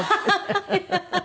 ハハハハ！